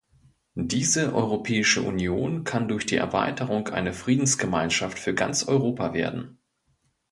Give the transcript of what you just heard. Diese Europäische Union kann durch die Erweiterung eine Friedensgemeinschaft für ganz Europa werden.